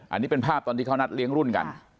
อันนี้เป็นภาพตอนที่เขานัดเลี้ยงรุ่นกัน